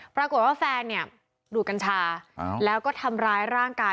ปรากฏว่าแฟนเนี่ยดูดกัญชาแล้วก็ทำร้ายร่างกาย